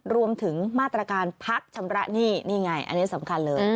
รวมถึงมาตรการพักชำระหนี้นี่ไงอันนี้สำคัญเลย